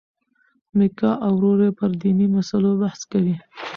میکا او ورور یې پر دیني مسلو بحث کوي.